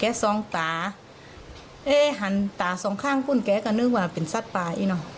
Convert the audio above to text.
แกส้องตาสองข้างก้านก็นึกว่าเป็นซัตป่า